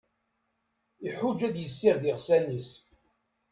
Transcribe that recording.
Iḥuǧǧ ad d-yessired iɣsan-is.